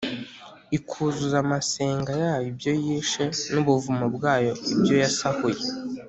ikuzuza amasenga yayo ibyo yishe n’ubuvumo bwayo ibyo yasahuye.